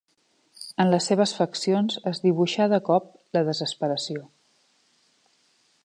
En les seves faccions es dibuixà de cop la desesperació.